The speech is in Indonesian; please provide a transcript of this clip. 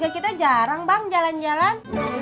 kita jarang bang jalan jalan